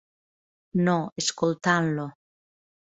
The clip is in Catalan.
No, escoltant-lo.